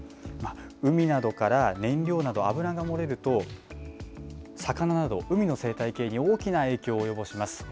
海などから燃料など、油が漏れると、魚など、海の生態系に大きな影響を及ぼします。